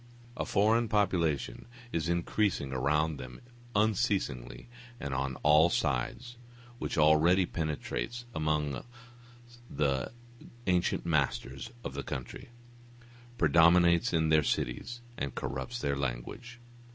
A foreign population is increasing around them unceasingly and on all sides, which already penetrates amongst the ancient masters of the country, predominates in their cities and corrupts their language.